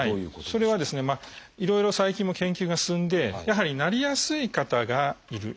それはいろいろ最近も研究が進んでやはりなりやすい方がいる。